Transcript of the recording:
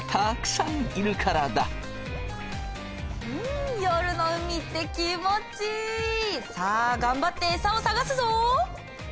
ん夜の海って気持ちいい！さあ頑張ってエサを探すぞ！